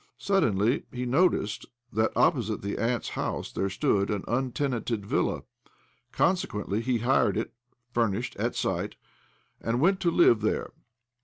Suddenly he noticed that opposite the aunt's house there stood 1 66 OBLOMOV an untenanted villa. Consequently he hired it ( furnished) at sight, and went to live there.